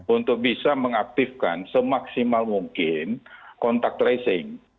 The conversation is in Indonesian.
untuk bisa mengaktifkan semaksimal mungkin kontak tracing